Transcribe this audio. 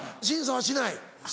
審査はしない。